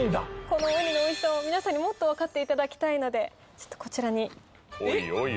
このうにの美味しさを皆さんにもっと分かっていただきたいのでちょっとこちらにおいおいおい